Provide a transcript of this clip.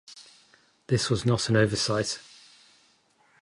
This was not an oversight.